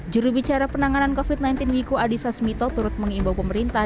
jurubicara penanganan covid sembilan belas wiku adhisa smito turut mengimbau pemerintah